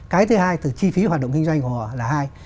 cái thứ hai từ chi phí hoạt động kinh doanh của họ là hai